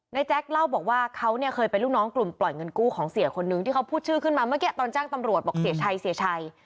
แจ๊คเล่าบอกว่าเขาเนี่ยเคยเป็นลูกน้องกลุ่มปล่อยเงินกู้ของเสียคนนึงที่เขาพูดชื่อขึ้นมาเมื่อกี้ตอนแจ้งตำรวจบอกเสียชัยเสียชัย